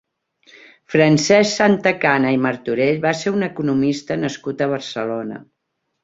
Francesc Santacana i Martorell va ser un economista nascut a Barcelona.